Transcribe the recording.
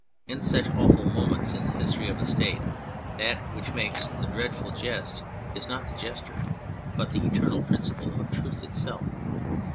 In such awful moments in the history of a State that which makes the dreadful jest is not the jester, but the eternal principle of truth itself.